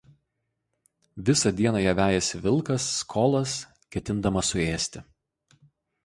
Visą dieną ją vejasi vilkas Skolas ketindamas suėsti.